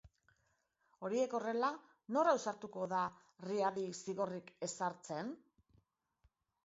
Horiek horrela, nor ausartuko da Riadi zigorrik ezartzen?